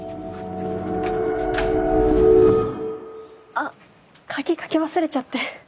あっ鍵かけ忘れちゃって。